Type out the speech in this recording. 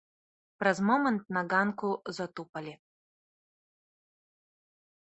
Праз момант на ганку затупалі.